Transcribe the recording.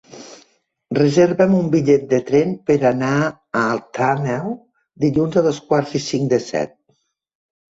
Reserva'm un bitllet de tren per anar a Alt Àneu dilluns a dos quarts i cinc de set.